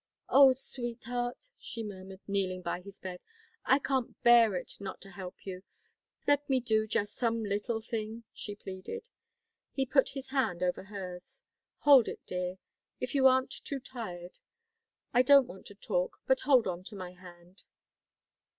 "Oh, sweetheart," she murmured, kneeling by his bed, "I can't bear it not to help you. Let me do just some little thing," she pleaded. He put his hand over in hers. "Hold it, dear; if you aren't too tired. I don't want to talk, but hold on to my hand."